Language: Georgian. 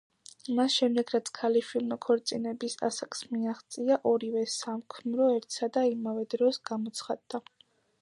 მას შემდეგ რაც ქალიშვილმა ქორწინების ასაკს მიაღწია, ორივე საქმრო ერთსა და იმავე დროს გამოცხადდა.